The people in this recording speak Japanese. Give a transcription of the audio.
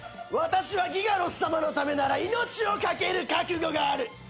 私はギガロスさまのためなら命を懸ける覚悟がある。